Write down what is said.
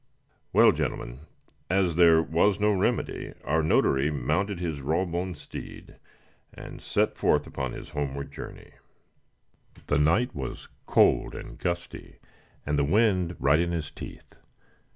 Well, gentlemen, as there was no remedy, our notary mounted this raw boned steed, and set forth upon his homeward journey. The night was cold and gusty, and the wind right in his teeth.